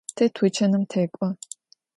Te tuçanım tek'o.